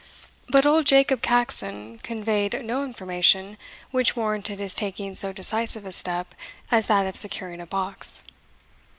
But old Jacob Caxon conveyed no information which warranted his taking so decisive a step as that of securing a box.